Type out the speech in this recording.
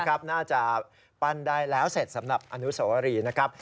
น่าจะปั้นได้แล้วเสร็จสำหรับอนุสวรีนะครับ